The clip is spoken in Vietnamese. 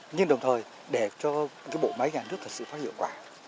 nhưng đồng thời để cho bộ máy nhà nước thật sự phát hiệu quả